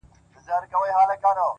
چي د وگړو څه يې ټولي گناه كډه كړې;